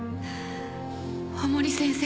大森先生